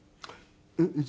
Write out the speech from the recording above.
えっいつ？